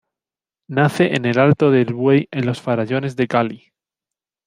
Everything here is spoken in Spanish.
Nace en el Alto del Buey en los Farallones de Cali.